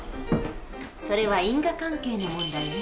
それは「因果関係」の問題ね。